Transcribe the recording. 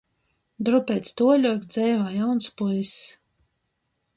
Drupeit tuoļuok dzeivoj jauns puiss.